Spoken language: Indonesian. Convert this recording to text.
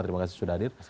terima kasih sudah hadir